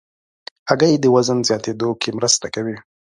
هګۍ د وزن زیاتېدو کې مرسته کوي.